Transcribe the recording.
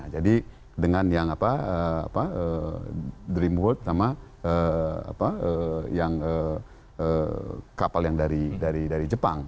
jadi dengan dreamworld sama kapal yang dari jepang